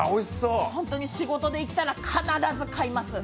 本当に仕事で行ったら必ず買います。